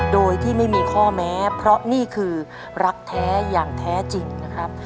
โดยที่ไม่มีข้อแม้เพราะนี่คือรักแท้อย่างแท้จริงนะครับ